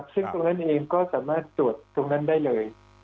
ซึ่งตรงนั้นเองก็สามารถตรวจตรงนั้นได้เลย